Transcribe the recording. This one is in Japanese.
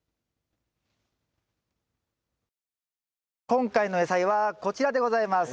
今回の野菜はこちらでございます。